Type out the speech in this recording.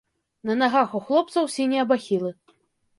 На нагах у хлопцаў сінія бахілы.